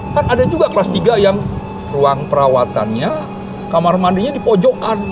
kan ada juga kelas tiga yang ruang perawatannya kamar mandinya dipojokan